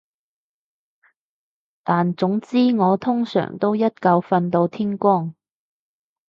但總之我通常都一覺瞓到天光